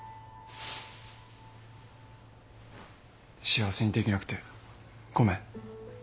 幸せにできなくてごめん。